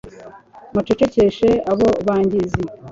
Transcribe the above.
mucecekeshe abo bangizi